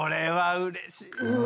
うれしい。